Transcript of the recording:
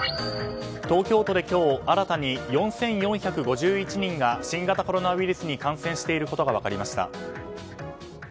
東京都で今日新たに４４５１人が新型コロナウイルスに感染していることが分かりました。